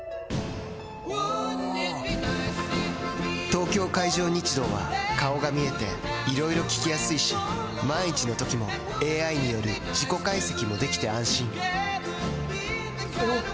東京海上日動は顔が見えていろいろ聞きやすいし万一のときもＡＩによる事故解析もできて安心おぉ！